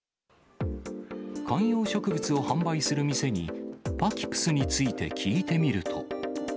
観葉植物を販売する店に、パキプスについて聞いてみると。